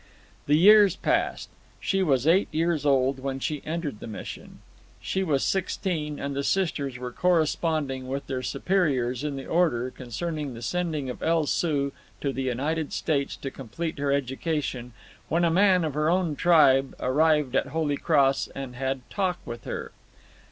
The years passed. She was eight years old when she entered the Mission; she was sixteen, and the Sisters were corresponding with their superiors in the Order concerning the sending of El Soo to the United States to complete her education, when a man of her own tribe arrived at Holy Cross and had talk with her.